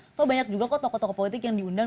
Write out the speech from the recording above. atau banyak juga kok tokoh tokoh politik yang diundang